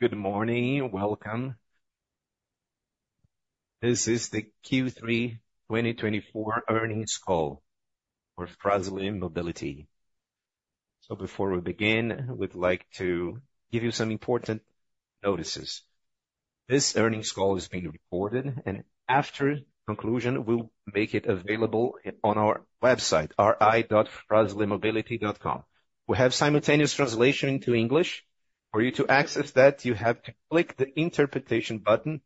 Good morning. Welcome. This is the Q3 2024 earnings call for Fras-le Mobility. So before we begin, we'd like to give you some important notices. This earnings call is being recorded, and after conclusion, we'll make it available on our website, ri.fras-le-mobility.com. We have simultaneous translation into English. For you to access that, you have to click the interpretation button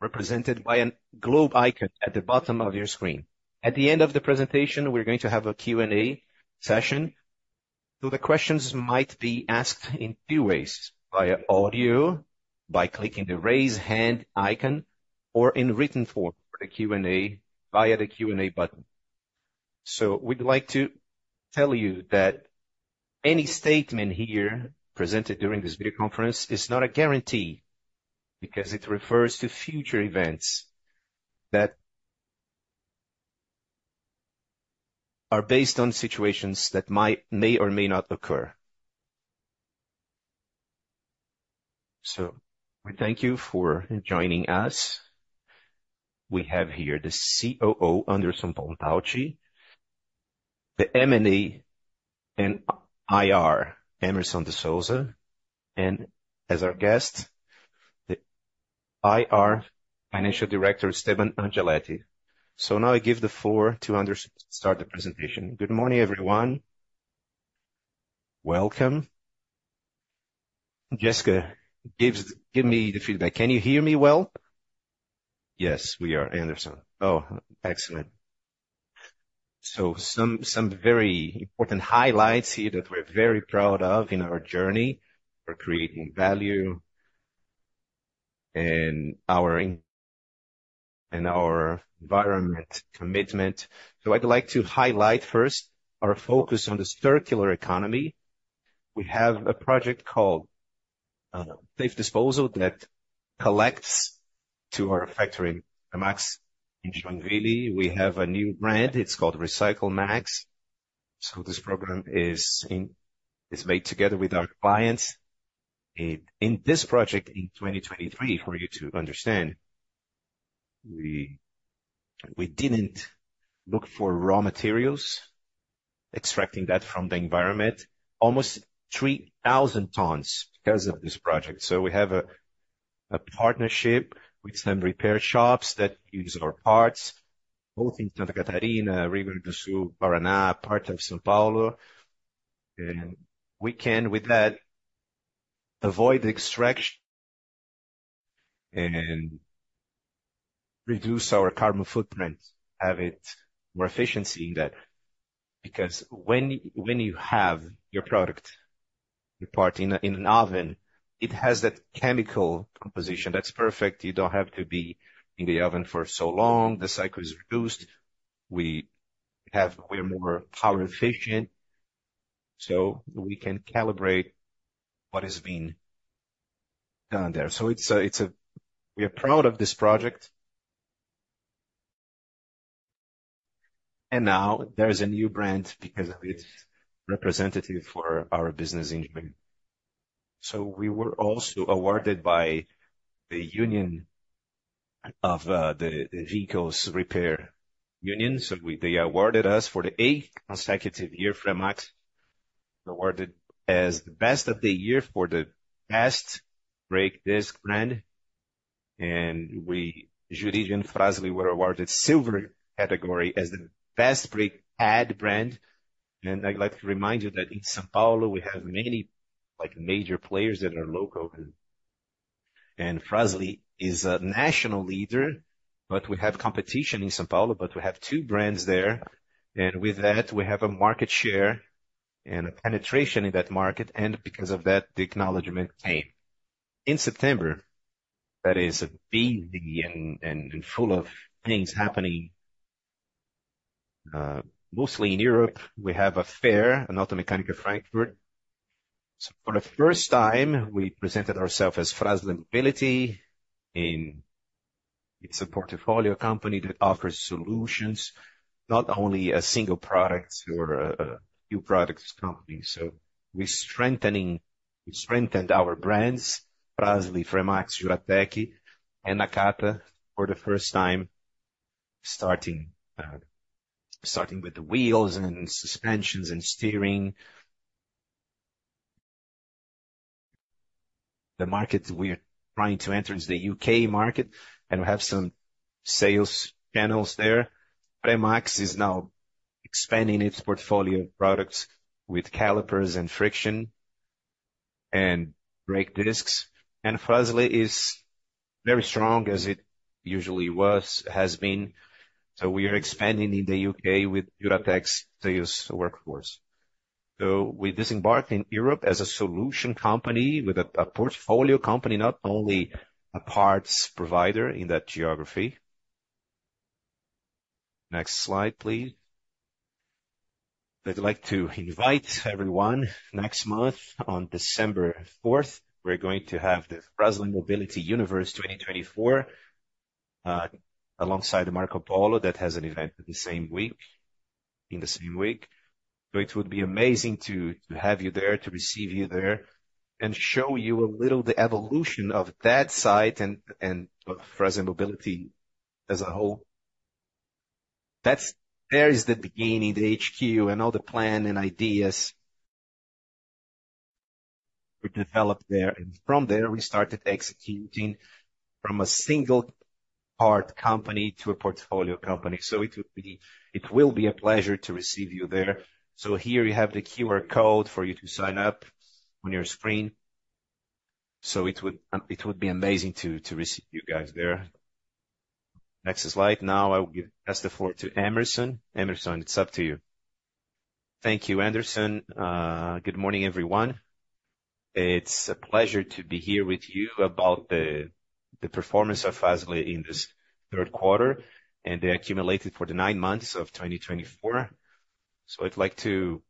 represented by a globe icon at the bottom of your screen. At the end of the presentation, we're going to have a Q&A session. So the questions might be asked in two ways: via audio, by clicking the raise hand icon, or in written form for the Q&A via the Q&A button. So we'd like to tell you that any statement here presented during this video conference is not a guarantee because it refers to future events that are based on situations that may or may not occur. We thank you for joining us. We have here the COO, Anderson Pontalti; the M&A and IR, Hemerson de Souza; and as our guest, the IR Financial Director, Esteban Angeletti. Now I give the floor to Anderson to start the presentation. Good morning, everyone. Welcome. Jessica, give me the feedback. Can you hear me well? Yes, we are, Anderson. Oh, excellent. Some very important highlights here that we're very proud of in our journey for creating value and our environment commitment. I'd like to highlight first our focus on the circular economy. We have a project called Safe Disposal that collects to our factory, the Fremax in Joinville. We have a new brand. It's called RecycleMax. This program is made together with our clients. In this project in 2023, for you to understand, we didn't look for raw materials, extracting that from the environment, almost 3,000 tons because of this project. So we have a partnership with some repair shops that use our parts, both in Santa Catarina, Rio Grande do Sul, Paraná, part of São Paulo. And we can, with that, avoid the extraction and reduce our carbon footprint, have more efficiency in that. Because when you have your product, your part in an oven, it has that chemical composition that's perfect. You don't have to be in the oven for so long. The cycle is reduced. We're more power efficient, so we can calibrate what has been done there. So we are proud of this project. And now there's a new brand because of its representative for our business in Joinville. We were also awarded by Sindirepa. So they awarded us for the eighth consecutive year. Fremax was awarded as the best of the year for the best brake disc brand. And we, Jurid & Fras-le, were awarded Silver category as the best brake pad brand. And I'd like to remind you that in São Paulo, we have many major players that are local. And Fras-le is a national leader, but we have competition in São Paulo, but we have two brands there. And with that, we have a market share and a penetration in that market. And because of that, the acknowledgment came. In September, that is busy and full of things happening, mostly in Europe. We have a fair, an Automechanika Frankfurt. For the first time, we presented ourselves as Fras-le Mobility in its portfolio company that offers solutions, not only a single product or a few products company. We strengthened our brands, Fras-le, Fremax, Juratek, and Nakata, for the first time, starting with the wheels and suspensions and steering. The market we're trying to enter is the U.K. market, and we have some sales channels there. Fremax is now expanding its portfolio of products with calipers and friction and brake discs. Fras-le is very strong as it usually was, has been. We are expanding in the U.K. with Juratek's sales workforce. We disembarked in Europe as a solution company with a portfolio company, not only a parts provider in that geography. Next slide, please. I'd like to invite everyone next month on December 4th. We're going to have the Fras-le Mobility Universe 2024 alongside the Marcopolo that has an event in the same week, in the same week. So it would be amazing to have you there, to receive you there, and show you a little the evolution of that site and Fras-le Mobility as a whole. That's there is the beginning, the HQ, and all the plan and ideas we developed there. And from there, we started executing from a single part company to a portfolio company. So it will be a pleasure to receive you there. So here you have the QR code for you to sign up on your screen. So it would be amazing to receive you guys there. Next slide. Now I will give the floor to Hemerson. Hemerson, it's up to you. Thank you, Anderson. Good morning, everyone. It's a pleasure to be here with you about the performance of Fras-le in this third quarter and the accumulated for the nine months of 2024, so I'd like to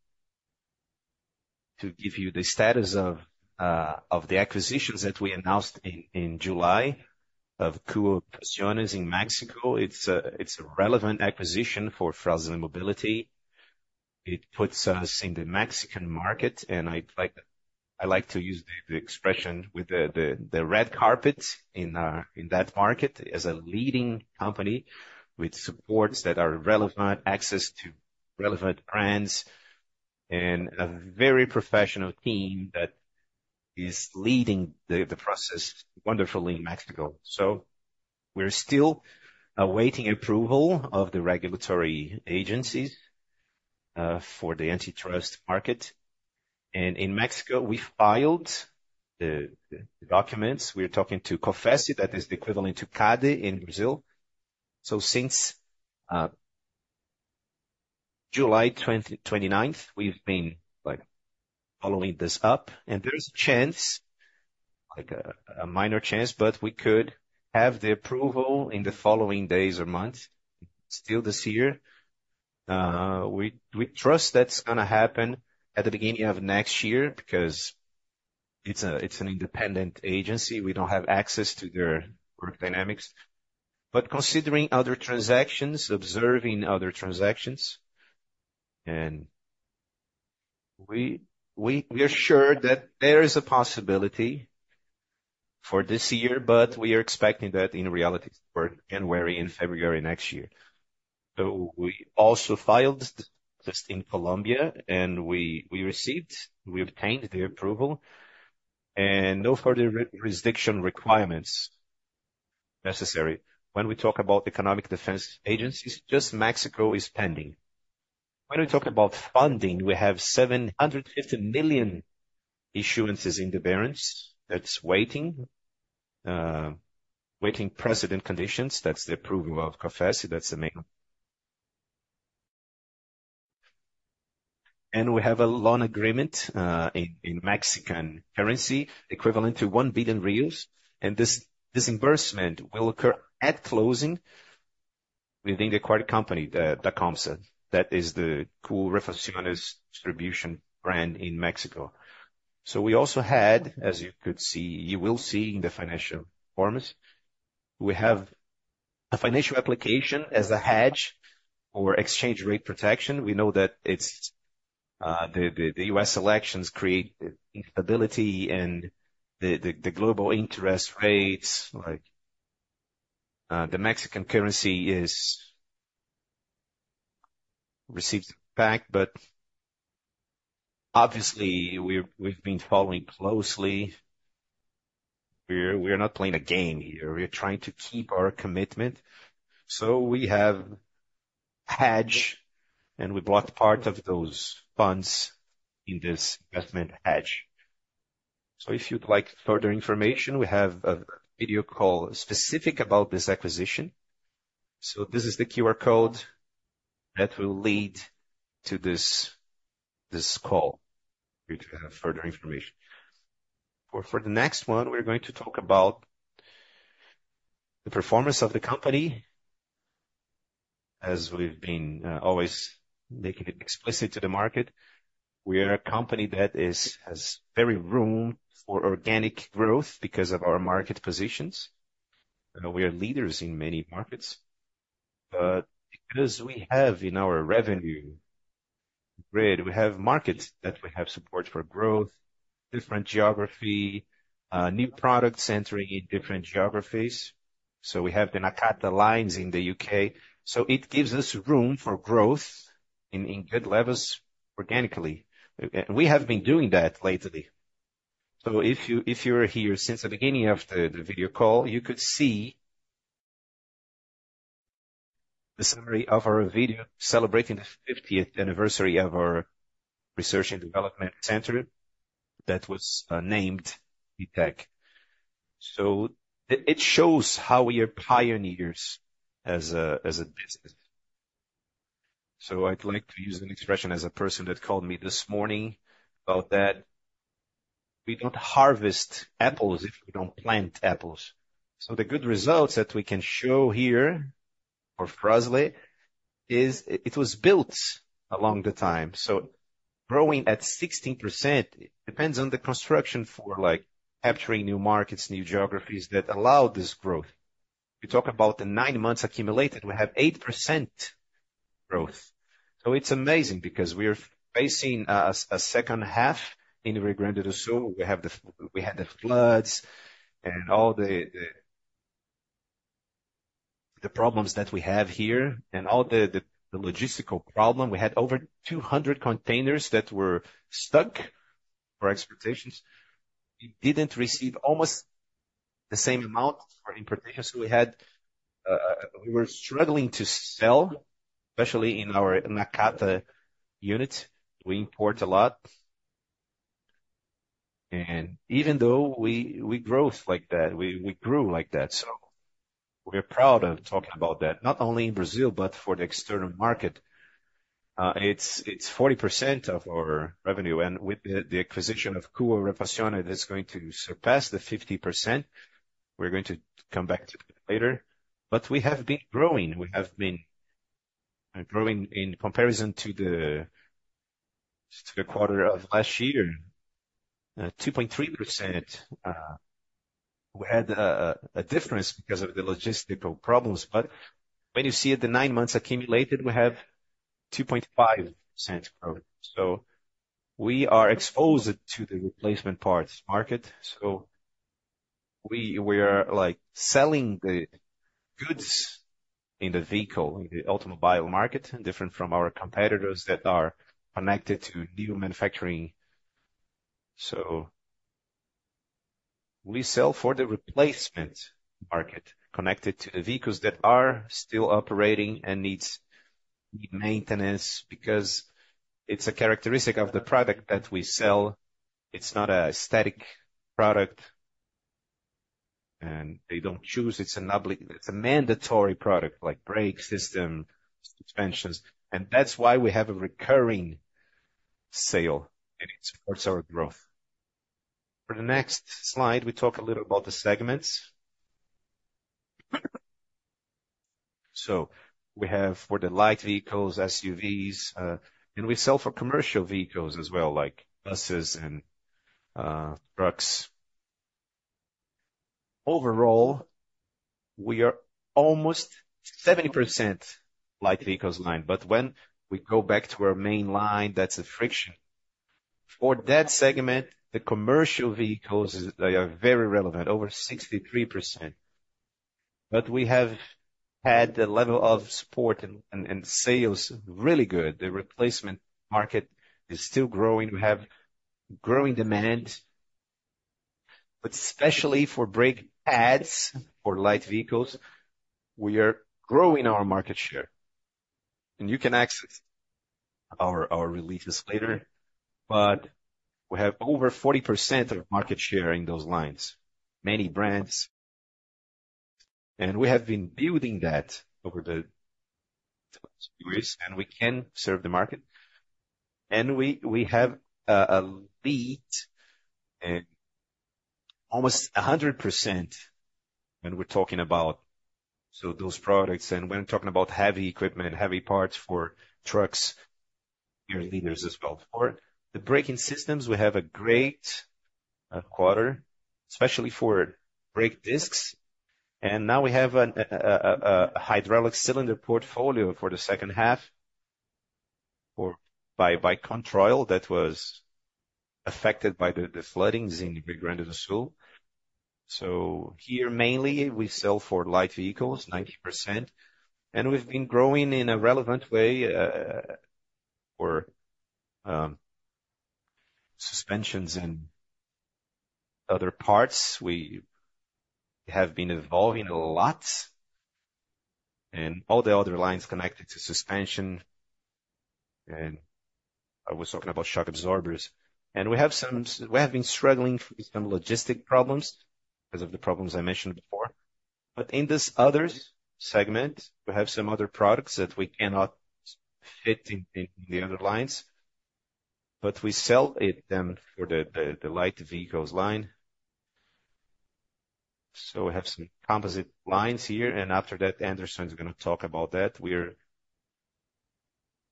give you the status of the acquisitions that we announced in July of Kuo Refacciones in Mexico. It's a relevant acquisition for Fras-le Mobility. It puts us in the Mexican market, and I like to use the expression with the red carpet in that market as a leading company with supports that are relevant, access to relevant brands, and a very professional team that is leading the process wonderfully in Mexico, so we're still awaiting approval of the regulatory agencies for the antitrust market, and in Mexico, we filed the documents. We're talking to COFECE, that is the equivalent to CADE in Brazil, so since July 29th, we've been following this up. There's a chance, a minor chance, but we could have the approval in the following days or months, still this year. We trust that's going to happen at the beginning of next year because it's an independent agency. We don't have access to their work dynamics. Considering other transactions, observing other transactions, and we are sure that there is a possibility for this year, but we are expecting that in reality for January and February next year. We also filed just in Colombia, and we received, we obtained the approval, and no further jurisdiction requirements necessary. When we talk about economic defense agencies, just Mexico is pending. When we talk about funding, we have 750 million debenture issuances that's waiting precedent conditions. That's the approval of COFECE. That's the main. We have a loan agreement in Mexican currency equivalent to 1 billion. This disbursement will occur at closing within the acquired company, the Dacomsa. That is the Kuo Refacciones distribution brand in Mexico. We also had, as you could see, you will see in the financial forms, we have a financial application as a hedge for exchange rate protection. We know that the U.S. elections create instability and the global interest rates. The Mexican currency receives impact, but obviously, we've been following closely. We are not playing a game here. We are trying to keep our commitment. We have a hedge, and we blocked part of those funds in this investment hedge. If you'd like further information, we have a video call specific about this acquisition. This is the QR code that will lead to this call for you to have further information. For the next one, we're going to talk about the performance of the company. As we've been always making it explicit to the market, we are a company that has very room for organic growth because of our market positions. We are leaders in many markets, but because we have in our revenue grid, we have markets that we have support for growth, different geography, new products entering in different geographies, so we have the Nakata lines in the U.K., so it gives us room for growth in good levels organically, and we have been doing that lately, so if you were here since the beginning of the video call, you could see the summary of our video celebrating the 50th anniversary of our research and development center that was named CTEC, so it shows how we are pioneers as a business, so I'd like to use an expression as a person that called me this morning about that. We don't harvest apples if we don't plant apples. So the good results that we can show here for Fras-le is it was built along the time. So growing at 16% depends on the construction for capturing new markets, new geographies that allow this growth. We talk about the nine months accumulated, we have 8% growth. So it's amazing because we are facing a second half in Rio Grande do Sul. We had the floods and all the problems that we have here and all the logistical problem. We had over 200 containers that were stuck for exportations. We didn't receive almost the same amount for importation. So we were struggling to sell, especially in our Nakata unit. We import a lot. And even though we growth like that, we grew like that. So we're proud of talking about that, not only in Brazil, but for the external market. It's 40% of our revenue, and with the acquisition of Kuo Refacciones, it's going to surpass the 50%. We're going to come back to it later, but we have been growing in comparison to the quarter of last year, 2.3%. We had a difference because of the logistical problems, but when you see the nine months accumulated, we have 2.5% growth. So we are exposed to the replacement parts market, so we are selling the goods in the vehicle, in the automobile market, different from our competitors that are connected to new manufacturing. So we sell for the replacement market connected to the vehicles that are still operating and need maintenance because it's a characteristic of the product that we sell. It's not a static product, and they don't choose. It's a mandatory product, like brake system, suspensions. And that's why we have a recurring sale, and it supports our growth. For the next slide, we talk a little about the segments. So we have for the light vehicles, SUVs, and we sell for commercial vehicles as well, like buses and trucks. Overall, we are almost 70% light vehicles line. But when we go back to our main line, that's a friction. For that segment, the commercial vehicles, they are very relevant, over 63%. But we have had the level of support and sales really good. The replacement market is still growing. We have growing demand. But especially for brake pads for light vehicles, we are growing our market share. And you can access our releases later. But we have over 40% of market share in those lines, many brands. And we have been building that over the last few years, and we can serve the market. We have a lead in almost 100% when we're talking about those products. When we're talking about heavy equipment, heavy parts for trucks, we are leaders as well. For the braking systems, we have a great quarter, especially for brake discs. Now we have a hydraulic cylinder portfolio for the second half by Controil that was affected by the floodings in Rio Grande do Sul. Here, mainly, we sell for light vehicles, 90%. We've been growing in a relevant way for suspensions and other parts. We have been evolving a lot. All the other lines connected to suspension. I was talking about shock absorbers. We have been struggling with some logistic problems because of the problems I mentioned before. In this other segment, we have some other products that we cannot fit in the other lines. But we sell them for the light vehicles line. So we have some composite lines here. And after that, Anderson is going to talk about that.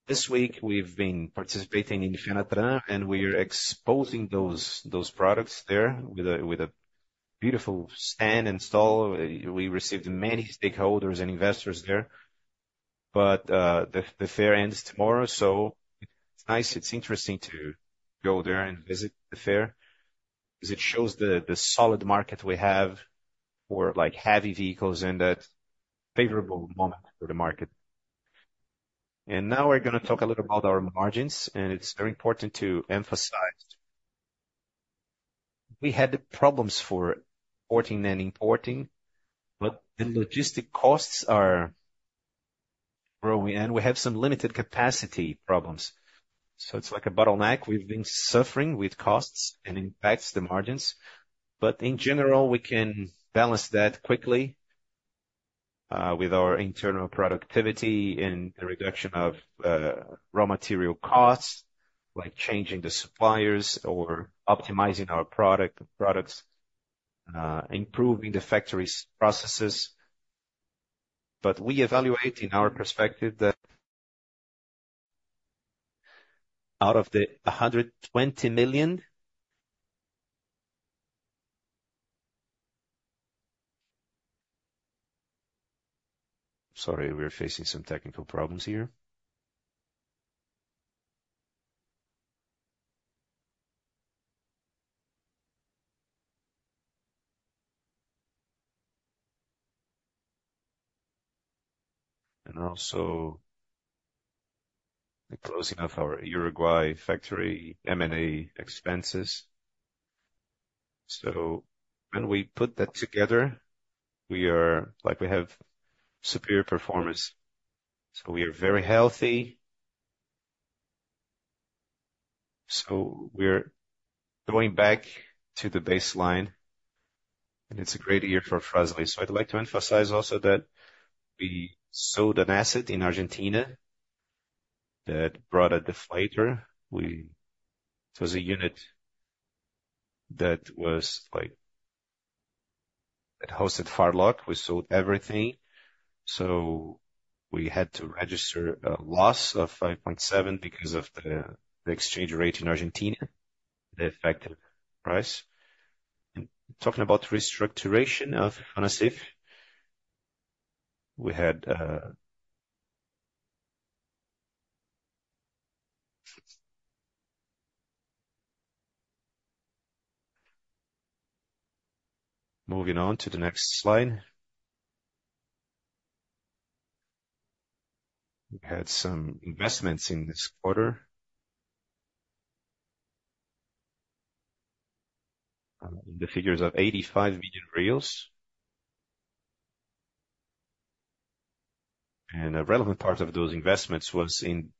This week, we've been participating in Fenatran, and we are exposing those products there with a beautiful stand and stall. We received many stakeholders and investors there. But the fair ends tomorrow. So it's nice. It's interesting to go there and visit the fair because it shows the solid market we have for heavy vehicles and that favorable moment for the market. And now we're going to talk a little about our margins. And it's very important to emphasize. We had problems for importing. But the logistics costs are growing. And we have some limited capacity problems. So it's like a bottleneck. We've been suffering with costs and impacts the margins. But in general, we can balance that quickly with our internal productivity and the reduction of raw material costs, like changing the suppliers or optimizing our products, improving the factory processes. But we evaluate in our perspective that out of the BRL 120 million - sorry, we're facing some technical problems here. And also closing up our Uruguay factory M&A expenses. So when we put that together, we have superior performance. So we are very healthy. So we're going back to the baseline. And it's a great year for Fras-le. So I'd like to emphasize also that we sold an asset in Argentina that brought a deflator. It was a unit that hosted Farloc. We sold everything. So we had to register a loss of 5.7 million because of the exchange rate in Argentina, the effective price. And talking about restructuring of Fanacif, we had - moving on to the next slide. We had some investments in this quarter in the figures of BRL 85 million. A relevant part of those investments was in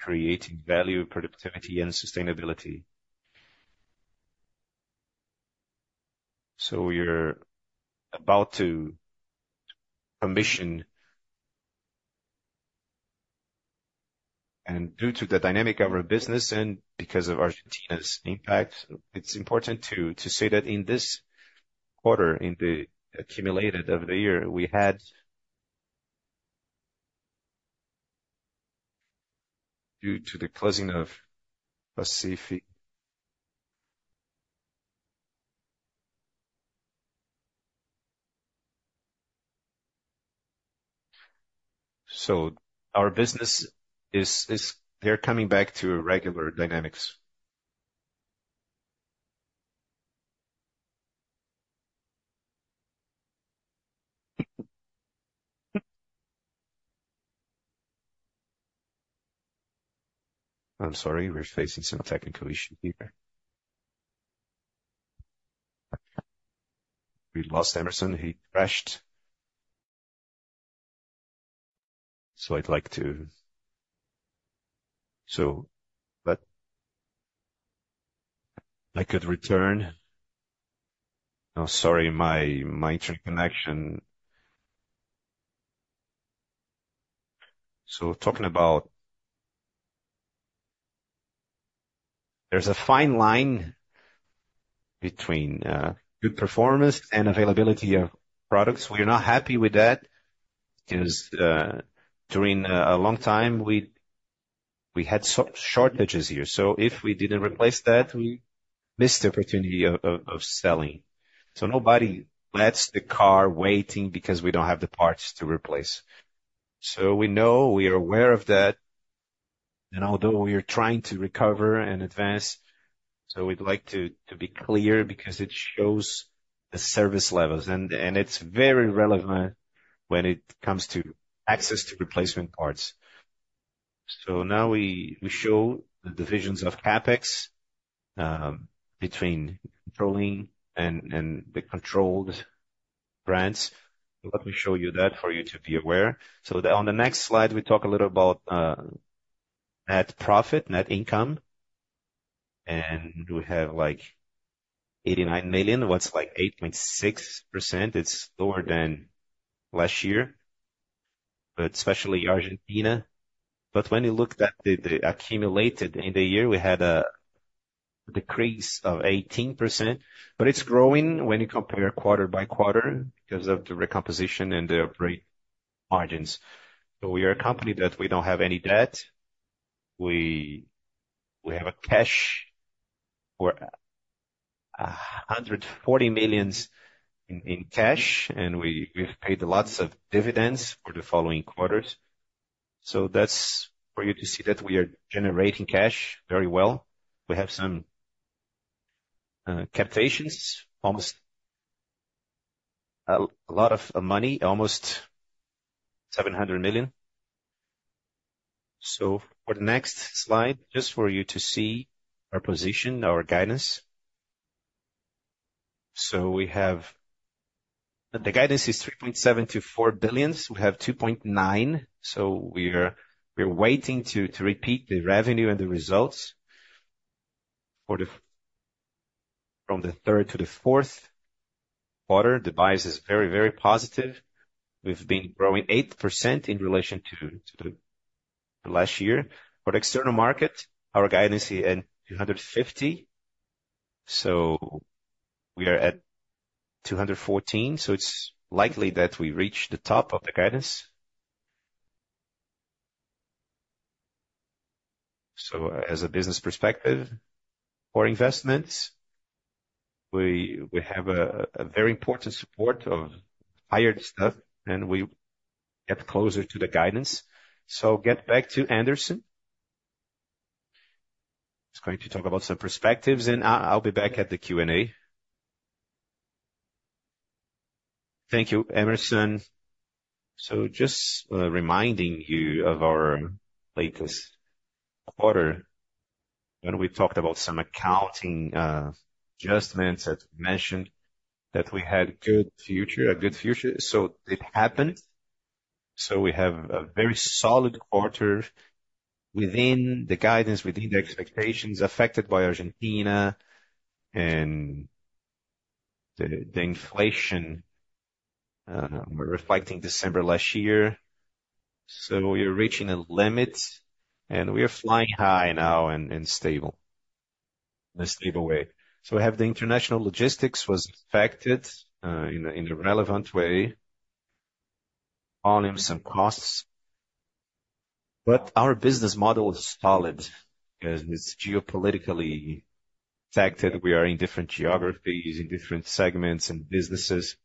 creating value, productivity, and sustainability. We are about to commission. Due to the dynamic of our business and because of Argentina's impact, it is important to say that in this quarter, in the accumulated of the year, we had due to the closing of Fanacif so our business is they're coming back to regular dynamics. I am sorry, we are facing some technical issues here. We lost Anderson. He crashed. But I could return. Oh, sorry, my internet connection. Talking about there's a fine line between good performance and availability of products. We are not happy with that because during a long time, we had shortages here. If we did not replace that, we missed the opportunity of selling. Nobody lets the car waiting because we don't have the parts to replace. So we know we are aware of that. And although we are trying to recover and advance, we'd like to be clear because it shows the service levels. And it's very relevant when it comes to access to replacement parts. So now we show the divisions of CapEx between Controil and the controlled brands. Let me show you that for you to be aware. So on the next slide, we talk a little about net profit, net income. And we have 89 million, what's like 8.6%. It's lower than last year, but especially Argentina. But when you look at the accumulated in the year, we had a decrease of 18%. But it's growing when you compare quarter by quarter because of the recomposition and the brake margins. We are a company that we don't have any debt. We have cash of 140 million in cash. We've paid lots of dividends for the following quarters. That's for you to see that we are generating cash very well. We have some captations, almost a lot of money, almost 700 million. For the next slide, just for you to see our position, our guidance. We have the guidance is 3.7 billion-4 billion. We have 2.9 billion. We are waiting to repeat the revenue and the results from the third to the fourth quarter. The bias is very, very positive. We've been growing 8% in relation to the last year. For the external market, our guidance is at 250 million. We are at 214 million. It's likely that we reach the top of the guidance. So, as a business perspective for investments, we have a very important support of hired staff, and we get closer to the guidance, so get back to Anderson. He's going to talk about some perspectives, and I'll be back at the Q&A. Thank you, Hemerson. So, just reminding you of our latest quarter, and we talked about some accounting adjustments that we mentioned that we had a good future. So, it happened. So, we have a very solid quarter within the guidance, within the expectations affected by Argentina and the inflation. We're reflecting December last year. So, we are reaching a limit, and we are flying high now and stable in a stable way. So, we have the international logistics was affected in a relevant way, volumes, and costs. But our business model is solid because it's geopolitically affected. We are in different geographies, in different segments and businesses.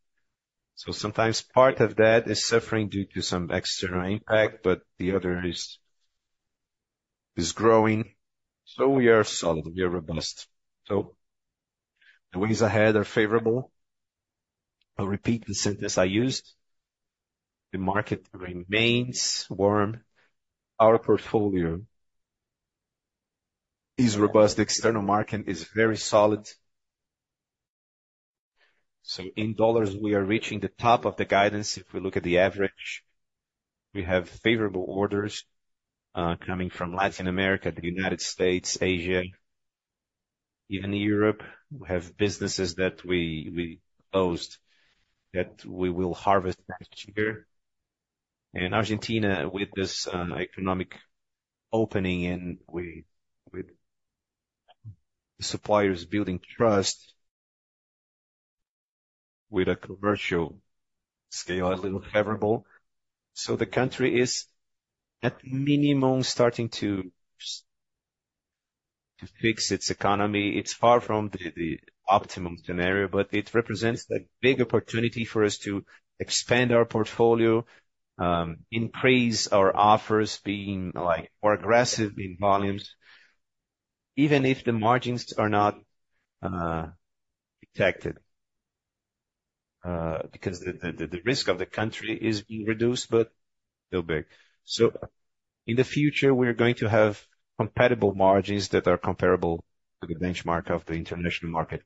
So sometimes part of that is suffering due to some external impact, but the other is growing. So we are solid. We are robust. So the ways ahead are favorable. I'll repeat the sentence I used. The market remains warm. Our portfolio is robust. The external market is very solid. So in dollars, we are reaching the top of the guidance. If we look at the average, we have favorable orders coming from Latin America, the United States, Asia, even Europe. We have businesses that we closed that we will harvest next year. And Argentina, with this economic opening and with suppliers building trust with a commercial scale, a little favorable. So the country is, at minimum, starting to fix its economy. It's far from the optimum scenario, but it represents a big opportunity for us to expand our portfolio, increase our offers, being more aggressive in volumes, even if the margins are not detected because the risk of the country is being reduced, but still big. So in the future, we're going to have compatible margins that are comparable to the benchmark of the international market.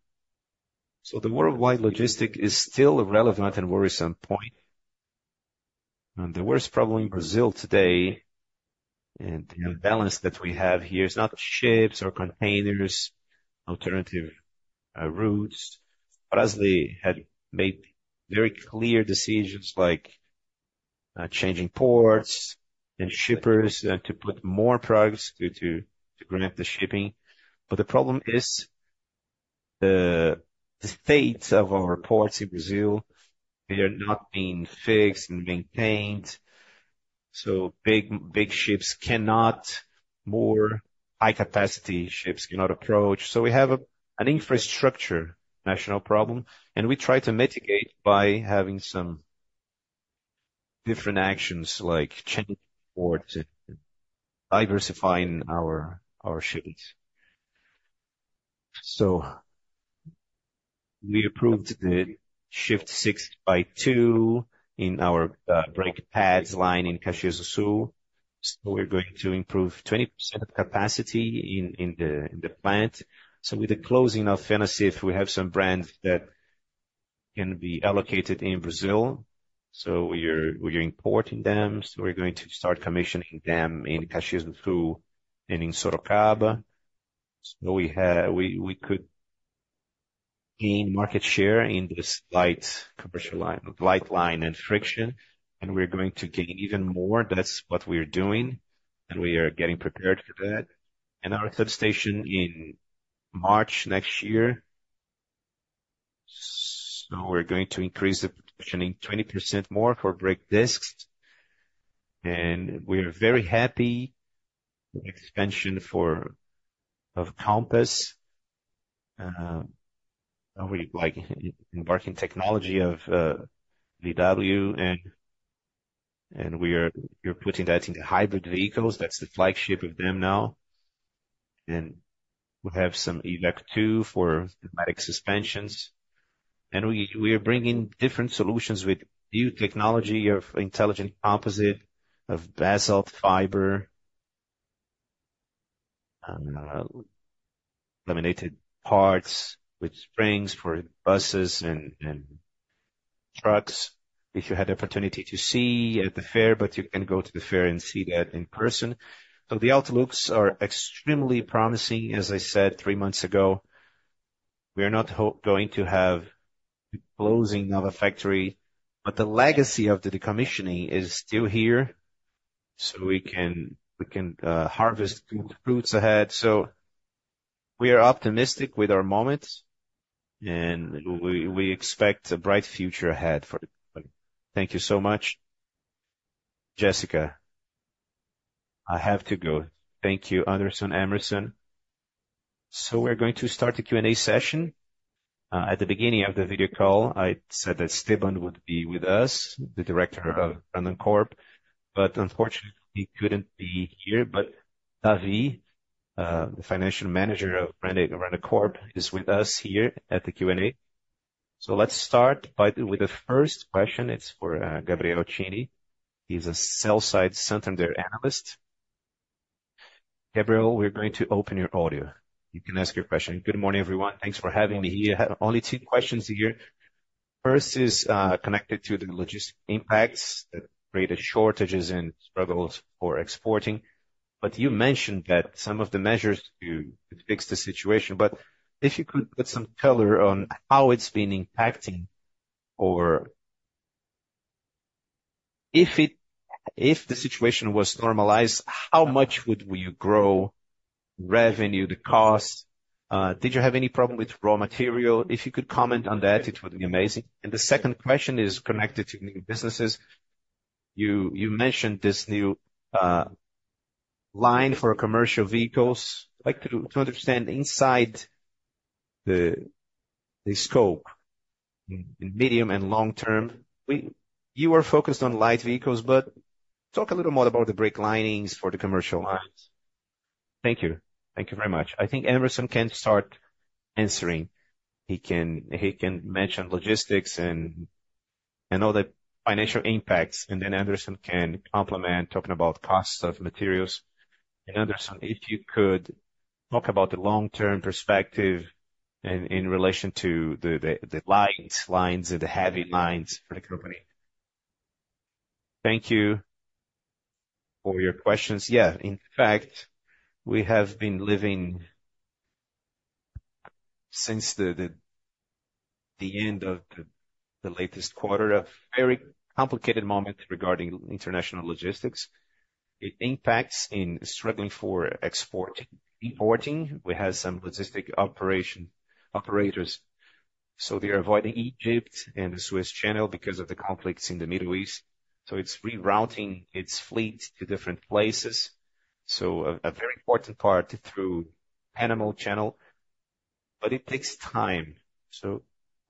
So the worldwide logistics is still a relevant and worrisome point. And the worst problem in Brazil today and the imbalance that we have here is not ships or containers, alternative routes. Fras-le had made very clear decisions like changing ports and shippers to put more products to grant the shipping. But the problem is the state of our ports in Brazil. They are not being fixed and maintained. So big ships cannot, more high-capacity ships cannot approach. So we have an infrastructure national problem. And we try to mitigate by having some different actions like changing ports and diversifying our shipments. So we approved the Shift 6x2 in our brake pads line in Caxias do Sul. So we're going to improve 20% of capacity in the plant. So with the closing of Fanacif, we have some brands that can be allocated in Brazil. So we're importing them. So we're going to start commissioning them in Caxias do Sul and in Sorocaba. So we could gain market share in this light commercial line, light line and friction. And we're going to gain even more. That's what we're doing. And we are getting prepared for that. And our substation in March next year. So we're going to increase the positioning 20% more for brake discs. And we are very happy with the expansion of Compass, embarking technology of VW. And we're putting that into hybrid vehicles. That's the flagship of them now, and we have some airbags too for pneumatic suspensions. And we are bringing different solutions with new technology of intelligent composite, of basalt fiber, laminated parts with springs for buses and trucks. If you had the opportunity to see at the fair, but you can go to the fair and see that in person, so the outlooks are extremely promising, as I said three months ago. We are not going to have the closing of a factory, but the legacy of the commissioning is still here, so we can harvest good fruits ahead. So we are optimistic with our moments, and we expect a bright future ahead for the company. Thank you so much. Jessica, I have to go. Thank you, Anderson, so we're going to start the Q&A session. At the beginning of the video call, I said that Esteban would be with us, the director of Randon Corp. But unfortunately, he couldn't be here. But Davi, the financial manager of Randon Corp, is with us here at the Q&A. So let's start with the first question. It's for Gabriel Cini. He's a sell-side Santander analyst. Gabriel, we're going to open your audio. You can ask your question. Good morning, everyone. Thanks for having me here. I have only two questions here. First is connected to the logistics impacts that create shortages and struggles for exporting. But you mentioned that some of the measures to fix the situation. But if you could put some color on how it's been impacting or if the situation was normalized, how much would you grow revenue, the cost? Did you have any problem with raw material? If you could comment on that, it would be amazing. And the second question is connected to new businesses. You mentioned this new line for commercial vehicles. I'd like to understand inside the scope in medium and long term. You were focused on light vehicles, but talk a little more about the brake linings for the commercial lines. Thank you. Thank you very much. I think Hemerson can start answering. He can mention logistics and all the financial impacts. And then Anderson can complement talking about costs of materials. And Anderson, if you could talk about the long-term perspective in relation to the light lines and the heavy lines for the company. Thank you for your questions. Yeah. In fact, we have been living since the end of the latest quarter a very complicated moment regarding international logistics. It impacts in struggling for exporting. We have some logistics operators. They're avoiding Egypt and the Suez Canal because of the conflicts in the Middle East. It's rerouting its fleet to different places. A very important part through Panama Canal. But it takes time. We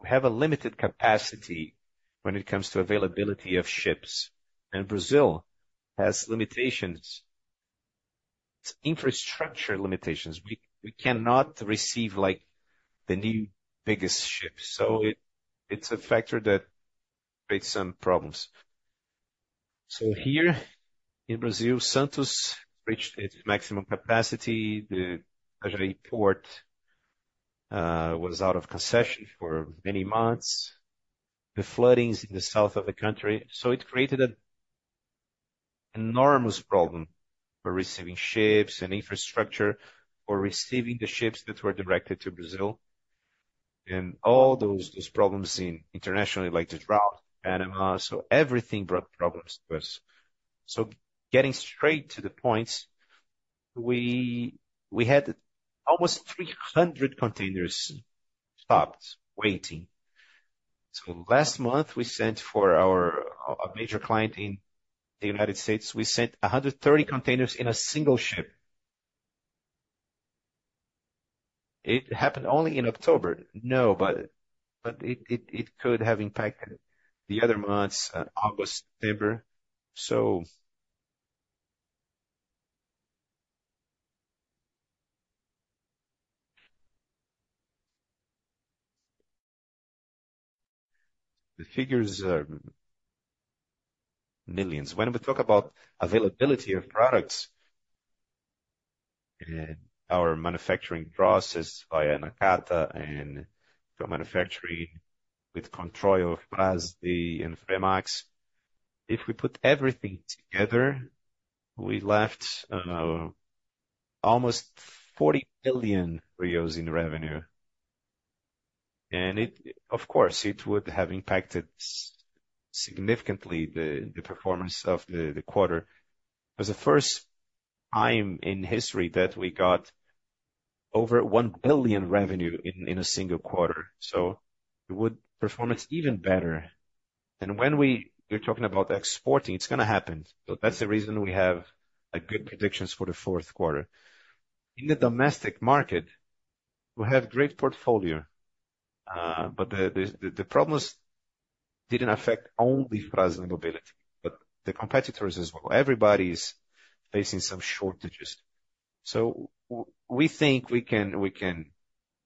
have a limited capacity when it comes to availability of ships. Brazil has limitations, infrastructure limitations. We cannot receive the new biggest ships. It's a factor that creates some problems. Here in Brazil, Santos reached its maximum capacity. The port was out of concession for many months. The floods in the south of the country. It created an enormous problem for receiving ships and infrastructure for receiving the ships that were directed to Brazil. All those problems internationally, like the drought in Panama. Everything brought problems to us. Getting straight to the points, we had almost 300 containers stopped waiting. So last month, we sent for our major client in the United States. We sent 130 containers in a single ship. It happened only in October. No, but it could have impacted the other months, August, September. So the figures are millions. When we talk about availability of products and our manufacturing process via Nakata and manufacturing with Controil of Fras-le and Fremax, if we put everything together, we left almost BRL 40 million in revenue. And of course, it would have impacted significantly the performance of the quarter. It was the first time in history that we got over 1 billion revenue in a single quarter. So it would perform even better. And when we're talking about exporting, it's going to happen. So that's the reason we have good predictions for the fourth quarter. In the domestic market, we have a great portfolio. But the problems didn't affect only Fras-le Mobility, but the competitors as well. Everybody's facing some shortages. So we think we can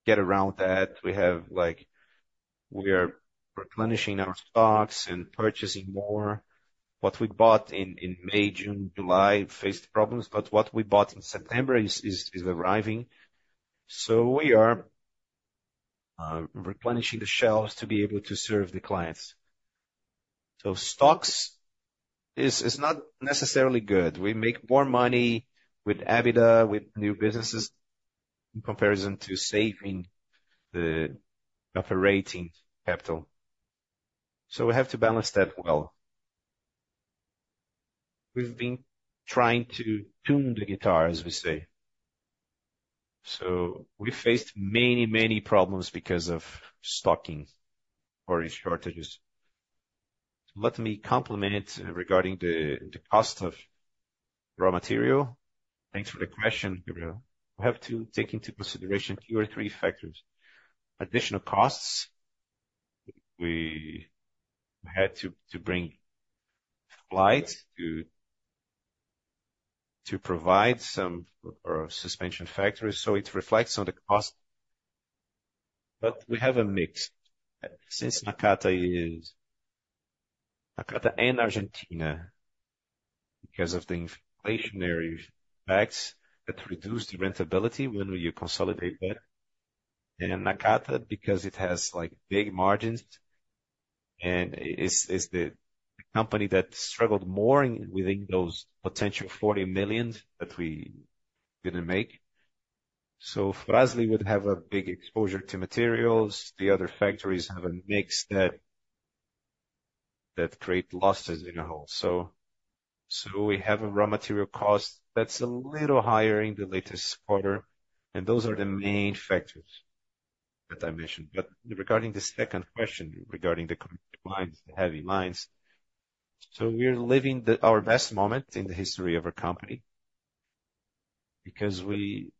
get around that. We are replenishing our stocks and purchasing more. What we bought in May, June, July faced problems. But what we bought in September is arriving. So we are replenishing the shelves to be able to serve the clients. So stocks is not necessarily good. We make more money with EBITDA, with new businesses, in comparison to saving the operating capital. So we have to balance that well. We've been trying to tune the guitar, as we say. So we faced many, many problems because of stocking or shortages. Let me comment regarding the cost of raw material. Thanks for the question, Gabriel. We have to take into consideration two or three factors. Additional costs. We had to bring flights to provide some suspension factories. It reflects on the cost. But we have a mix. Since Nakata and Argentina because of the inflationary effects that reduce the profitability when you consolidate that. And Nakata, because it has big margins and is the company that struggled more within those potential 40 million that we didn't make. So Fras-le would have a big exposure to materials. The other factories have a mix that creates losses in the whole. So we have a raw material cost that's a little higher in the latest quarter. And those are the main factors that I mentioned. But regarding the second question regarding the heavy lines. So we're living our best moment in the history of our company because we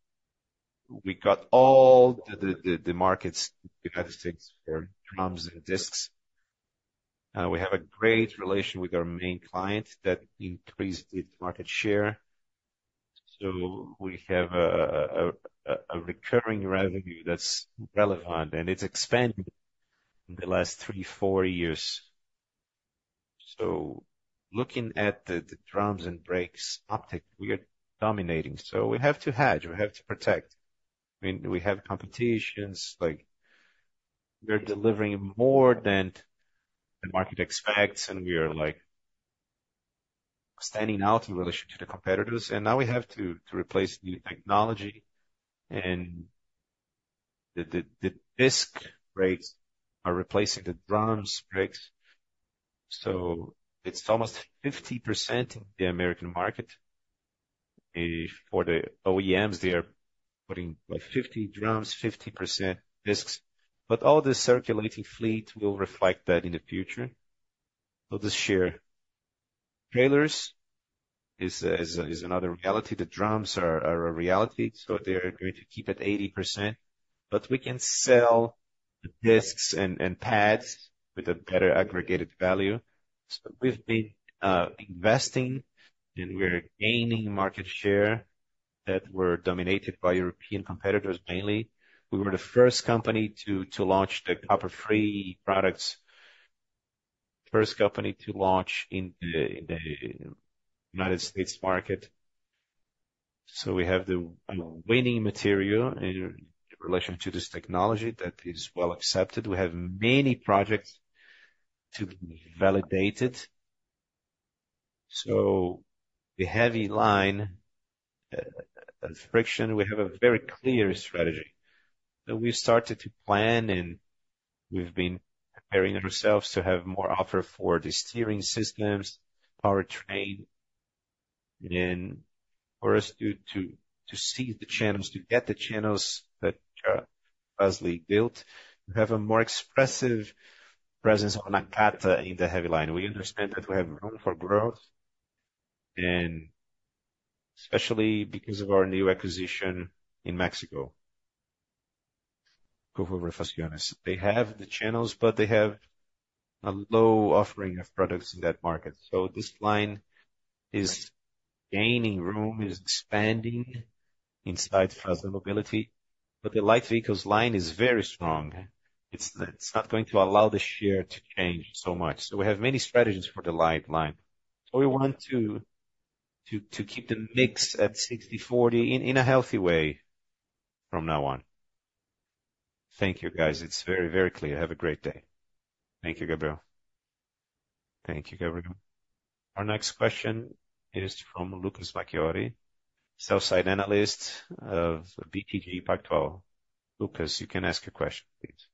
got all the markets in the United States for drums and discs. We have a great relation with our main client that increased its market share. We have a recurring revenue that's relevant. It's expanded in the last three, four years. Looking at the drums and brakes optics, we are dominating. We have to hedge. We have to protect. I mean, we have competition. We're delivering more than the market expects. We are standing out in relation to the competitors. Now we have to replace new technology. The disc brakes are replacing the drum brakes. It's almost 50% in the American market. For the OEMs, they are putting 50% drums, 50% discs. But all the circulating fleet will reflect that in the future. The trailer share is another reality. The drums are a reality. They're going to keep at 80%. But we can sell discs and pads with a better added value. We've been investing. We're gaining market share that were dominated by European competitors mainly. We were the first company to launch the copper-free products, first company to launch in the United States market. So we have the winning material in relation to this technology that is well accepted. We have many projects to be validated. So the heavy line friction, we have a very clear strategy. We started to plan. And we've been preparing ourselves to have more offer for the steering systems, powertrain. And for us to see the channels, to get the channels that Fras-le built, we have a more expressive presence on Nakata in the heavy line. We understand that we have room for growth, especially because of our new acquisition in Mexico. They have the channels, but they have a low offering of products in that market. So this line is gaining room, is expanding inside Fras-le Mobility. But the light vehicles line is very strong. It's not going to allow the share to change so much. So we have many strategies for the light line. So we want to keep the mix at 60-40 in a healthy way from now on. Thank you, guys. It's very, very clear. Have a great day. Thank you, Gabriel. Thank you, Gabriel. Our next question is from Lucas Marquiori, sell-side analyst of BTG Pactual. Lucas, you can ask your question, please.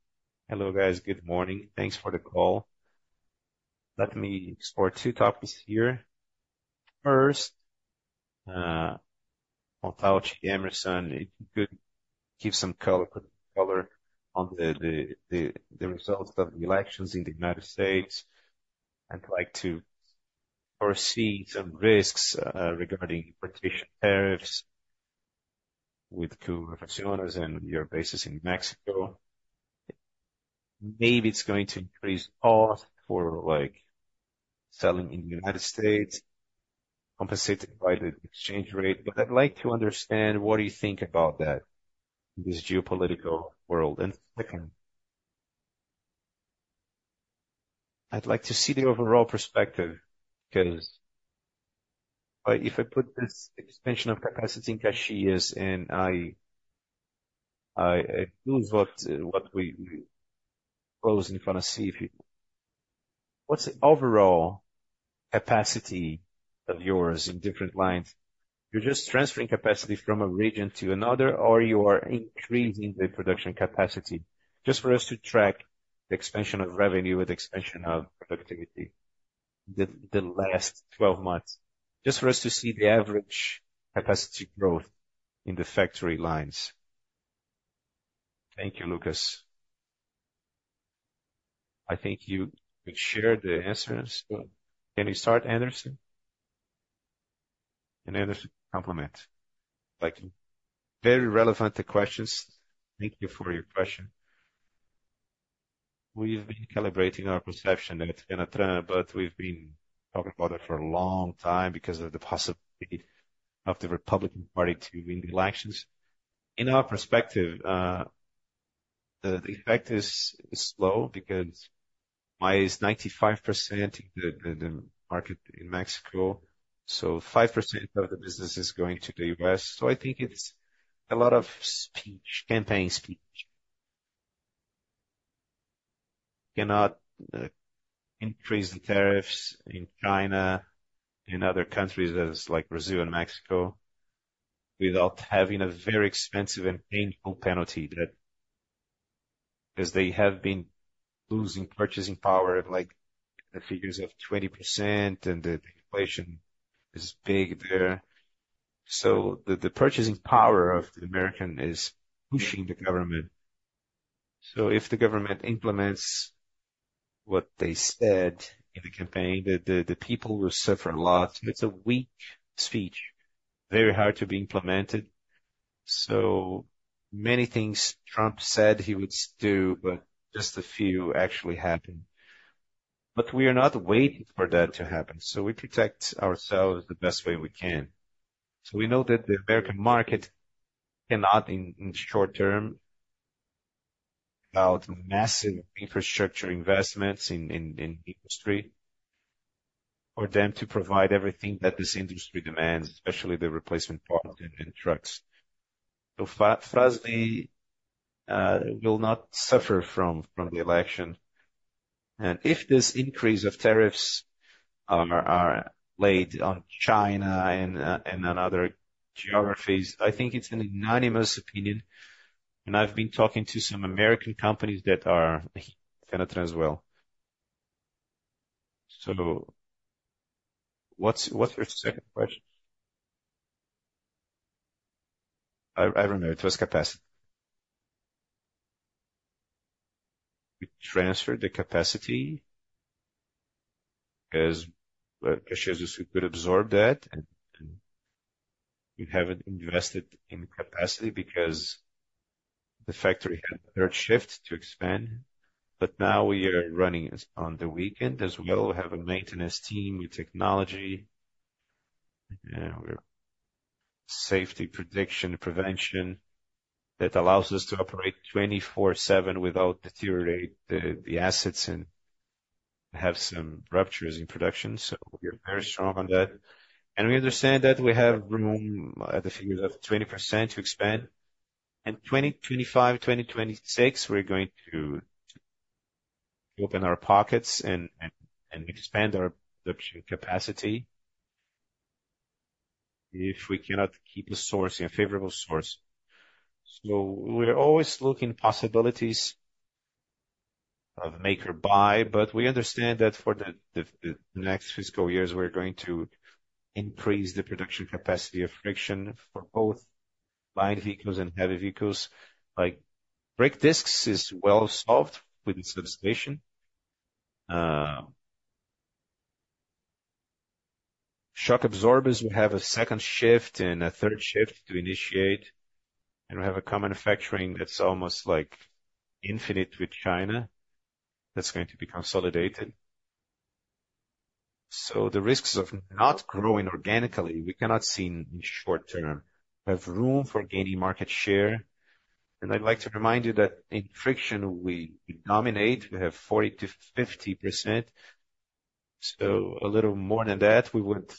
Hello, guys. Good morning. Thanks for the call. Let me explore two topics here. First, Hemerson, if you could give some color on the results of the elections in the United States. I'd like to foresee some risks regarding importation tariffs with China and your bases in Mexico. Maybe it's going to increase costs for selling in the United States, compensated by the exchange rate. I'd like to understand what do you think about that in this geopolitical world. Second, I'd like to see the overall perspective because if I put this extension of capacity in Caxias and I lose what we close in front of C, what's the overall capacity of yours in different lines? You're just transferring capacity from a region to another, or you are increasing the production capacity? Just for us to track the expansion of revenue with the expansion of productivity the last 12 months. Just for us to see the average capacity growth in the factory lines. Thank you, Lucas. I think you shared the answers. Can you start, Anderson? And Hemerson, comment. Very relevant questions. Thank you for your question. We've been calibrating our perception at Fenatran, but we've been talking about it for a long time because of the possibility of the Republican Party to win the elections. In our perspective, the effect is slow because M&A is 95% in the market in Mexico. So 5% of the business is going to the U.S. So I think it's a lot of campaign speech. Cannot increase the tariffs in China and other countries like Brazil and Mexico, without having a very expensive and painful penalty because they have been losing purchasing power at figures of 20%, and the inflation is big there. So the purchasing power of the American is pushing the government. So if the government implements what they said in the campaign, the people will suffer a lot. It's a weak speech, very hard to be implemented. So many things Trump said he would do, but just a few actually happened. But we are not waiting for that to happen. So we protect ourselves the best way we can. So we know that the American market cannot in the short term without massive infrastructure investments in industry for them to provide everything that this industry demands, especially the replacement parts and trucks. So Fras-le will not suffer from the election. And if this increase of tariffs are laid on China and other geographies, I think it's an unanimous opinion. And I've been talking to some American companies that are in Fenatran as well. So what's your second question? I remember it was capacity. We transferred the capacity because Caxias could absorb that. And we haven't invested in capacity because the factory had a shift to expand. But now we are running on the weekend as well. We have a maintenance team with technology and safety prediction prevention that allows us to operate 24/7 without deteriorating the assets and have some ruptures in production. So we are very strong on that. And we understand that we have room at the figures of 20% to expand. And 2025, 2026, we're going to open our pockets and expand our production capacity if we cannot keep a favorable source. So we're always looking at possibilities of make or buy. But we understand that for the next fiscal years, we're going to increase the production capacity of friction for both light vehicles and heavy vehicles. Brake discs is well solved with the substitution. Shock absorbers, we have a second shift and a third shift to initiate. And we have a common factoring that's almost infinite with China that's going to be consolidated. The risks of not growing organically, we cannot see in the short term. We have room for gaining market share. And I'd like to remind you that in friction, we dominate. We have 40%-50%. So a little more than that, we would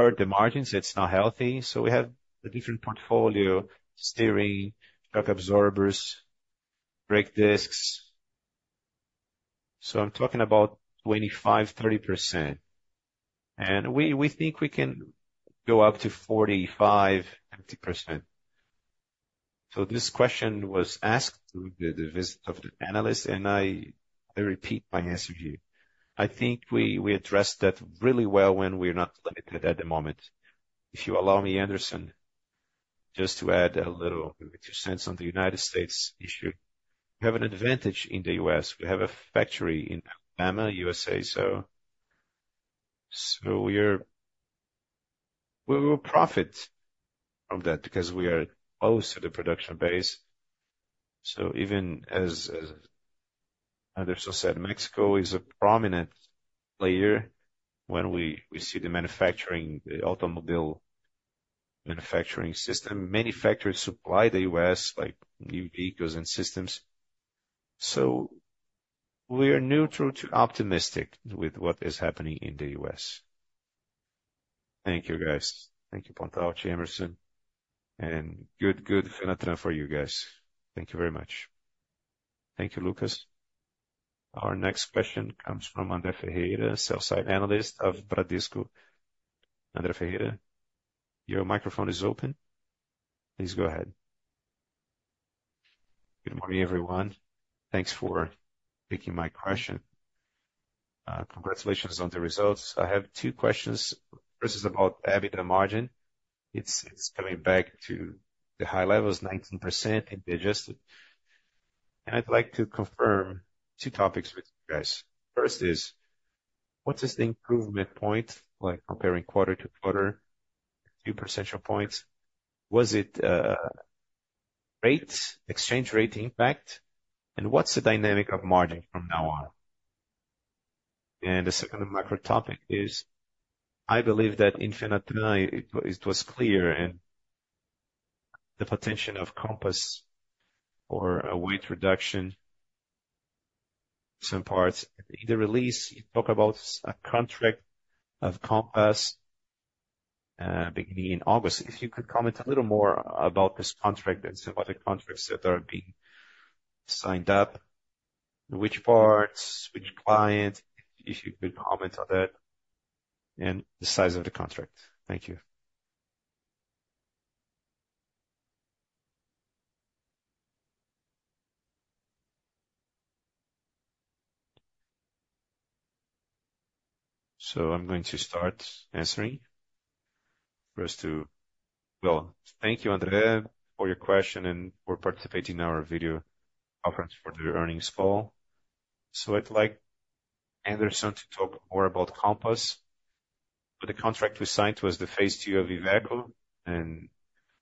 hurt the margins. It's not healthy. So we have a different portfolio: steering, shock absorbers, brake discs. So I'm talking about 25%-30%. And we think we can go up to 45%-50%. So this question was asked through the visit of the analyst. And I repeat my answer to you. I think we addressed that really well when we're not limited at the moment. If you allow me, Anderson, just to add a little bit of your sense on the United States issue. We have an advantage in the U.S. We have a factory in Alabama, U.S.A. So we will profit from that because we are close to the production base, so even as Anderson said, Mexico is a prominent player when we see the automobile manufacturing system. Many factories supply the U.S., like new vehicles and systems, so we are neutral to optimistic with what is happening in the U.S. Thank you, guys. Thank you, Pontalti, Anderson. And good, good Fenatran for you guys. Thank you very much. Thank you, Lucas. Our next question comes from André Ferreira, sell-side analyst of Bradesco. André Ferreira, your microphone is open. Please go ahead. Good morning, everyone. Thanks for taking my question. Congratulations on the results. I have two questions. First is about having the margin. It's coming back to the high levels, 19% in the adjusted. And I'd like to confirm two topics with you guys. First is, what is the improvement point, comparing quarter to quarter, a few percentage points? Was it rate, exchange rate impact? And what's the dynamic of margin from now on? And the second macro topic is, I believe that in Fenatran, it was clear and the potential of Compass for a weight reduction in some parts. In the release, you talk about a contract of Compass beginning in August. If you could comment a little more about this contract and some other contracts that are being signed up, which parts, which client, if you could comment on that, and the size of the contract. Thank you. So I'm going to start answering. First to, well, thank you, André, for your question and for participating in our video conference for the earnings call. So I'd like Anderson to talk more about Compass. The contract we signed was the phase two of Iveco, and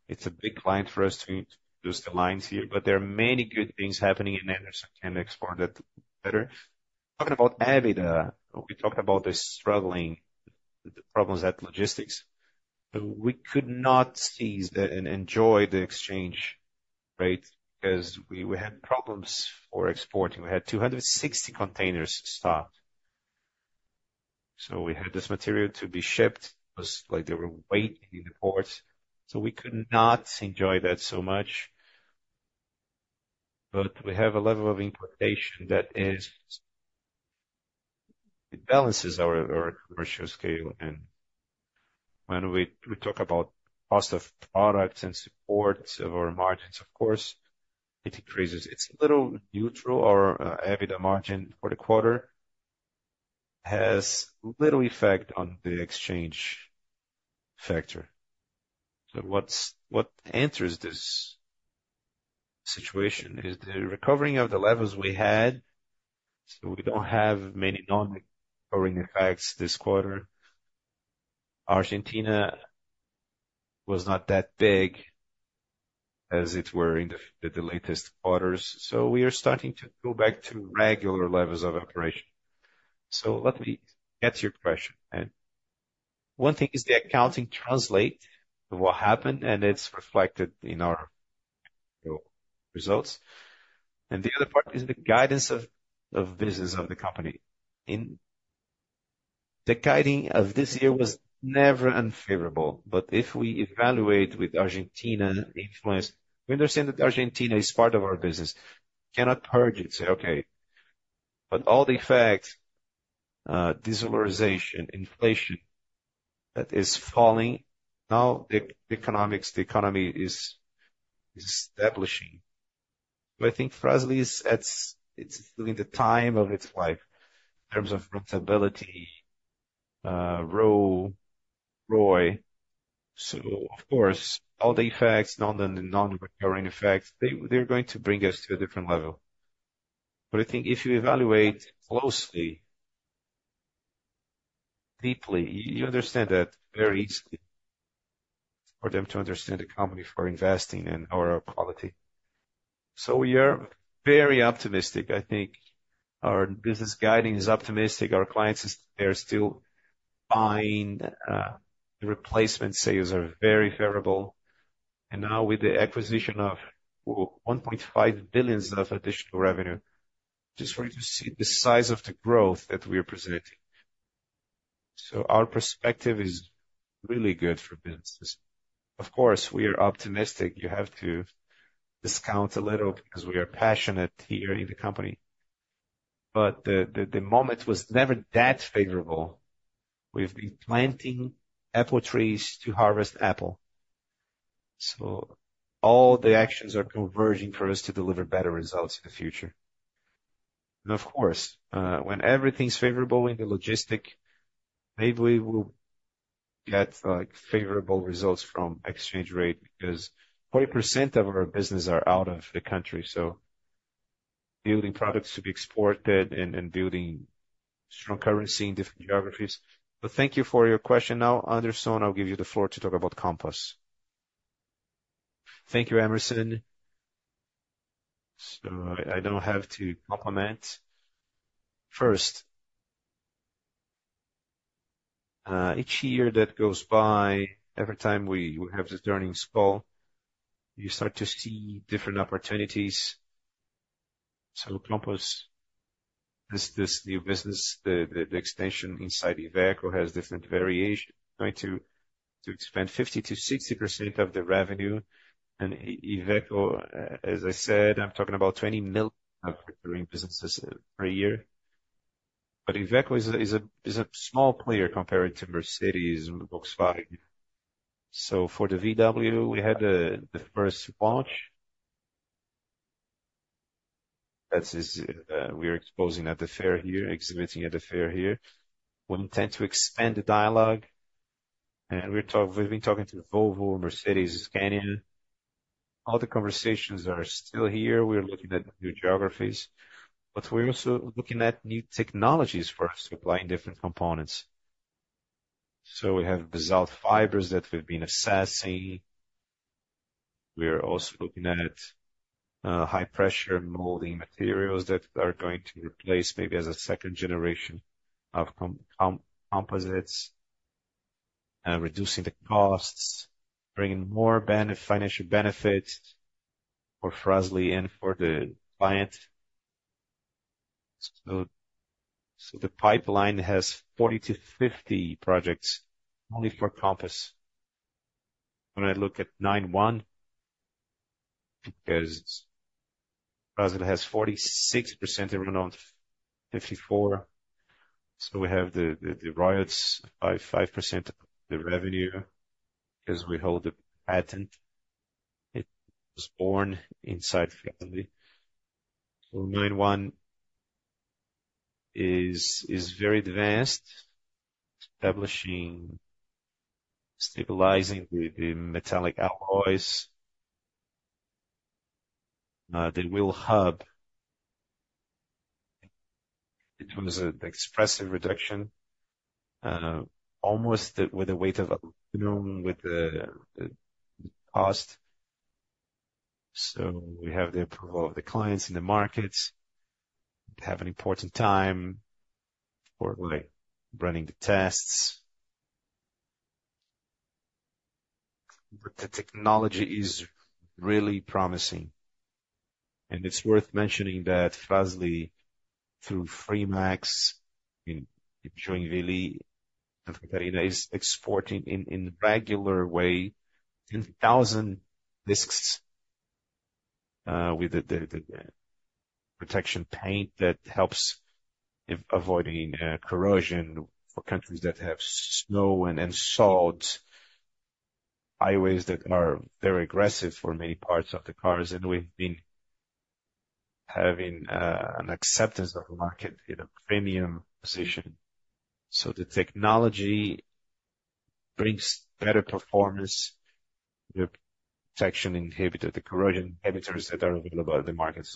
it's a big client for us to use the lines here. But there are many good things happening, and Anderson can explore that better. Talking about EBITDA, we talked about the struggling, the problems at logistics, so we could not seize and enjoy the exchange rate because we had problems for exporting. We had 260 containers stopped, so we had this material to be shipped. It was like they were waiting in the ports, so we could not enjoy that so much. But we have a level of importation that balances our commercial scale, and when we talk about cost of products and support of our margins, of course, it increases. It's a little neutral. Our EBITDA margin for the quarter has little effect on the exchange factor. What answers this situation is the recovering of the levels we had. We don't have many non-recurring effects this quarter. Argentina was not that big as it was in the latest quarters. We are starting to go back to regular levels of operation. Let me get your question. One thing is the accounting treatment of what happened, and it's reflected in our results. The other part is the guidance of business of the company. The guidance of this year was never unfavorable. If we evaluate with Argentina influence, we understand that Argentina is part of our business. We cannot purge it, say, okay. All the effects, de-dollarization, inflation that is falling. Now the economy is stabilizing. Fras-le is still in the prime of its life in terms of profitability, ROE, ROI. Of course, all the effects, non-recurring effects, they're going to bring us to a different level. But I think if you evaluate closely, deeply, you understand that very easily for them to understand the company for investing in our quality. So we are very optimistic. I think our business guidance is optimistic. Our clients are still buying. The replacement sales are very favorable. And now with the acquisition of 1.5 billion of additional revenue, just for you to see the size of the growth that we are presenting. So our perspective is really good for business. Of course, we are optimistic. You have to discount a little because we are passionate here in the company. But the moment was never that favorable. We've been planting apple trees to harvest apples. So all the actions are converging for us to deliver better results in the future. And of course, when everything's favorable in the logistics, maybe we will get favorable results from exchange rate because 40% of our business are out of the country. So building products to be exported and building strong currency in different geographies. But thank you for your question. Now, Anderson, I'll give you the floor to talk about Compass. Thank you, Hemerson. So I don't have to compliment. First, each year that goes by, every time we have this earnings call, you start to see different opportunities. So Compass, this new business, the extension inside Iveco has different variations. Going to expand 50%-60% of the revenue. And Iveco, as I said, I'm talking about 20 million of recurring businesses per year. But Iveco is a small player compared to Mercedes and Volkswagen. So for the VW, we had the first launch that we are exposing at the fair here, exhibiting at the fair here. We intend to expand the dialogue. And we've been talking to Volvo, Mercedes, Scania. All the conversations are still here. We're looking at new geographies. But we're also looking at new technologies for supplying different components. So we have basalt fibers that we've been assessing. We are also looking at high-pressure molding materials that are going to replace maybe as a second generation of composites and reducing the costs, bringing more financial benefits for Fras-le and for the client. So the pipeline has 40-50 projects only for Compass. When I look at Nione, because Fras-le has 46% around 54%. So we have the royalties, 5% of the revenue because we hold the patent. It was born inside Fras-le. Nione is very advanced, establishing, stabilizing the metallic alloys. The wheel hub, it was an expressive reduction, almost with a weight of aluminum with the cost. We have the approval of the clients in the markets. They have an important time for running the tests. But the technology is really promising. It is worth mentioning that Fras-le, through Fremax, in Joinville, Santa Catarina, is exporting in a regular way, 10,000 discs with the protection paint that helps avoid corrosion for countries that have snow and salt, highways that are very aggressive for many parts of the cars. We have been having an acceptance of the market in a premium position. The technology brings better performance, the protection inhibitor, the corrosion inhibitors that are available on the market.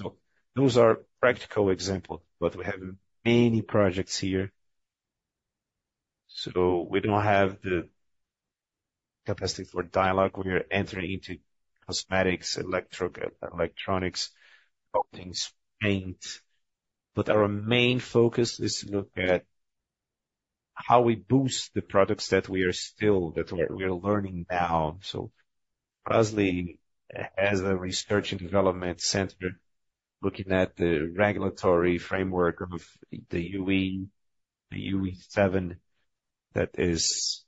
Those are practical examples. But we have many projects here. We do not have the capacity for dialogue. We are entering into cosmetics, electronics, paintings, paint. But our main focus is to look at how we boost the products that we are still, that we are learning now. So Fras-le has a research and development center looking at the regulatory framework of the Euro, the Euro 7 that is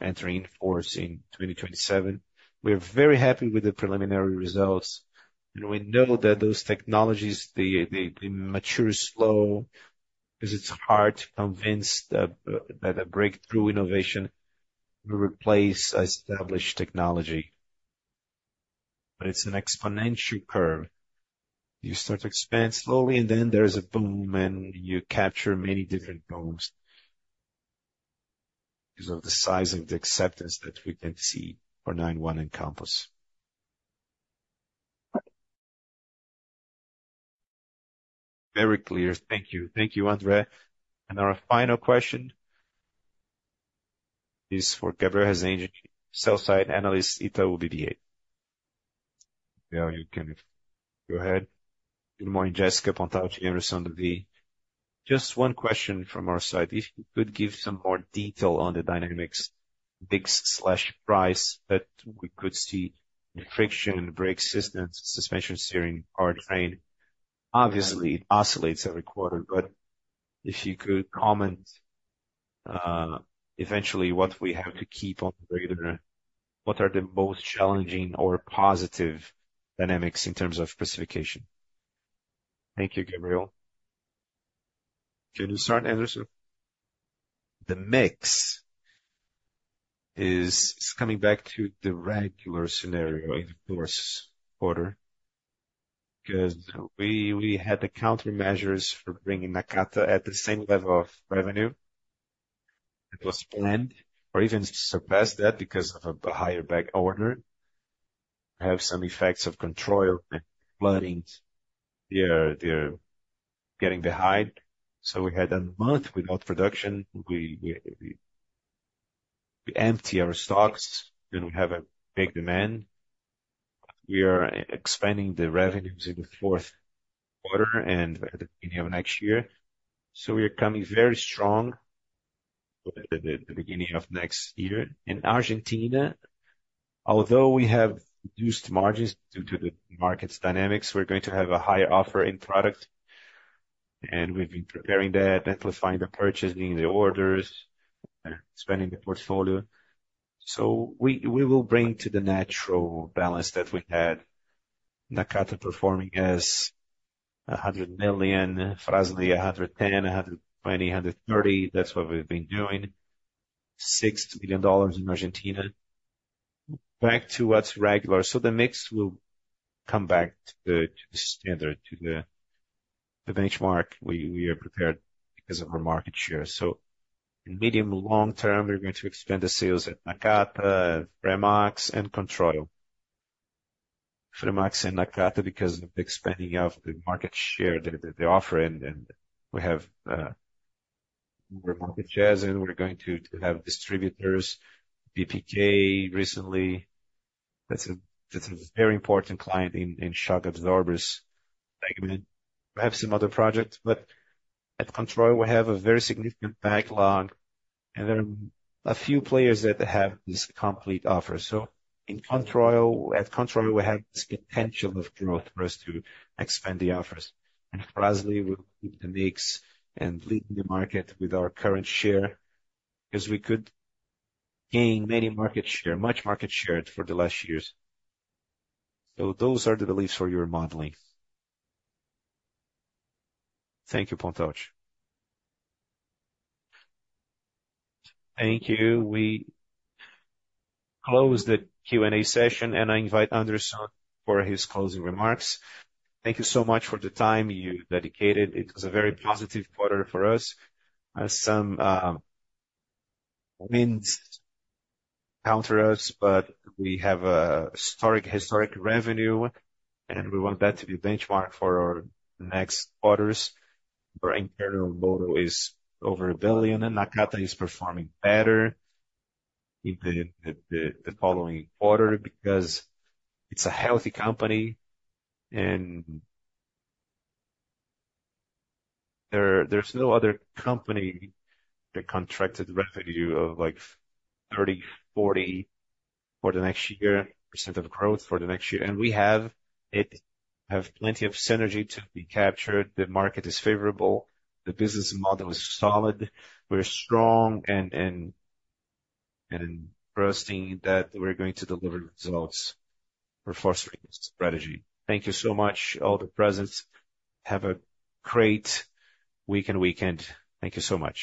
entering force in 2027. We are very happy with the preliminary results. And we know that those technologies, they mature slow because it's hard to convince that a breakthrough innovation will replace established technology. But it's an exponential curve. You start to expand slowly, and then there's a boom, and you capture many different booms because of the size of the acceptance that we can see for Nione and Compass. Very clear. Thank you. Thank you, André. And our final question is for Gabriel Rezende, sell-side analyst, Itaú BBA. Yeah, you can go ahead. Good morning, Jessica, Pontalti, Hemerson, Davi. Just one question from our side. If you could give some more detail on the dynamics, mix/price that we could see, friction, brake systems, suspension steering, powertrain. Obviously, it oscillates every quarter. But if you could comment eventually what we have to keep on the radar, what are the most challenging or positive dynamics in terms of specification? Thank you, Gabriel. Can you start, Anderson? The mix is coming back to the regular scenario in the first quarter because we had the countermeasures for bringing Nakata at the same level of revenue. It was planned or even surpassed that because of a higher back order. We have some effects of Controil and flooding. They're getting behind. So we had a month without production. We empty our stocks, and we have a big demand. We are expanding the revenues in the fourth quarter and at the beginning of next year. So we are coming very strong at the beginning of next year. In Argentina, although we have reduced margins due to the market's dynamics, we're going to have a higher offer in product. And we've been preparing that, amplifying the purchasing, the orders, expanding the portfolio. So we will bring to the natural balance that we had Nakata performing as 100 million, Fras-le 110, 120, 130. That's what we've been doing, $6 million in Argentina. Back to what's regular. So the mix will come back to the standard, to the benchmark we are prepared because of our market share. So in medium-long term, we're going to expand the sales at Nakata, Fremax, and Controil. Fremax and Nakata because of the expanding of the market share they offer. And we have more market shares. And we're going to have distributors, DPK recently. That's a very important client in shock absorbers segment. We have some other projects. But at Controil, we have a very significant backlog. And there are a few players that have this complete offer. So in Controil, we have this potential of growth for us to expand the offers. And Fras-le will keep the mix and lead the market with our current share because we could gain many market share, much market share for the last years. So those are the beliefs for your modeling. Thank you, Pontalti. Thank you. We close the Q&A session, and I invite Anderson for his closing remarks. Thank you so much for the time you dedicated. It was a very positive quarter for us. Some headwinds counter us, but we have a historic revenue, and we want that to be a benchmark for our next quarters. Our internal motto is over a billion, and Nakata is performing better in the following quarter because it's a healthy company. And there's no other company that contracted revenue of like 30-40 for the next year, percent of growth for the next year. And we have plenty of synergy to be captured. The market is favorable. The business model is solid. We're strong and trusting that we're going to deliver results for Fras-le strategy. Thank you so much, all the participants. Have a great week and weekend. Thank you so much.